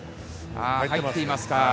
入っていますか。